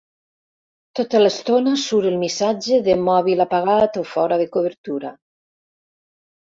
Tota l'estona surt el missatge de mòbil apagat o fora de cobertura.